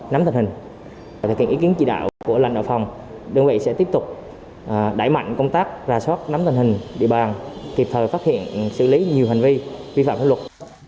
nắm tình hình và thực hiện ý kiến chỉ đạo của lãnh đạo phòng đơn vị sẽ tiếp tục đẩy mạnh công tác ra soát nắm tình hình địa bàn kịp thời phát hiện xử lý nhiều hành vi vi phạm pháp luật